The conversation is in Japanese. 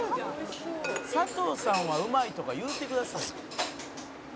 「佐藤さんはうまいとか言うてくださいよ」